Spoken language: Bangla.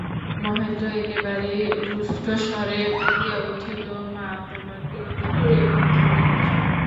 মহেন্দ্র একেবারেই রুষ্টস্বরে বলিয়া উঠিল, মা, তোমরা বিনোদিনীকে কী বলিয়াছ।